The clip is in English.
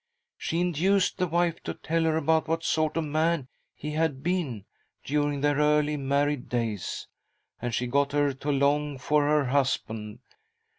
She induced the wife to tell her about what sort of man he had been. during their early married days, and she got her to long for her hus band.